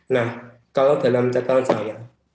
nah kalau dalam catatan saya